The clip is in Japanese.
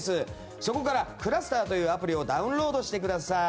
そこからｃｌｕｓｔｅｒというアプリをダウンロードしてください。